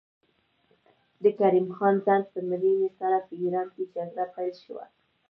د کریم خان زند په مړینې سره په ایران کې جګړه پیل شوه.